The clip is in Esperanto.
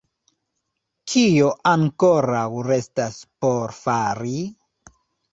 Kio ankoraŭ restas por fari?